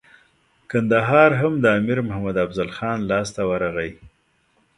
کندهار هم د امیر محمد افضل خان لاسته ورغی.